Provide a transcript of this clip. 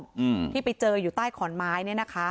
อืมที่ไปเจออยู่ใต้ขอนไม้เนี้ยนะคะ